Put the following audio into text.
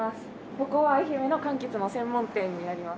ここは愛媛の柑橘の専門店になります。